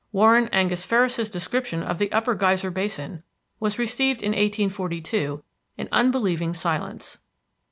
Warren Angus Ferris's description of the Upper Geyser Basin was received in 1842 in unbelieving silence.